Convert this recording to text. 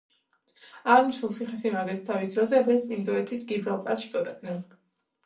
აღნიშნულ ციხესიმაგრეს თავის დროზე „ვესტ-ინდოეთის გიბრალტარს“ უწოდებდნენ.